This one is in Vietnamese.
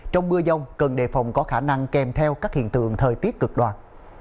trong mưa dông cần đề phòng có khả năng kèm theo các hiện tượng thời tiết cực đoan